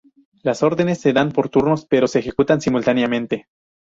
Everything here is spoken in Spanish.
Las órdenes se dan por turnos pero se ejecutan simultáneamente.